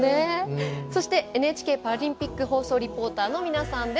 そしてＮＨＫパラリンピック放送リポーターの皆さんです。